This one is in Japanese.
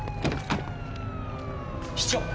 室長！